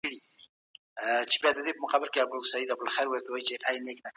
د غونډي په پای کي څه ویل کېږي؟